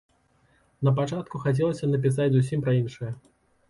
Напачатку хацелася напісаць зусім пра іншае.